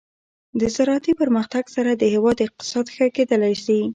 د زراعتي پرمختګ سره د هیواد اقتصاد ښه کیدلی شي.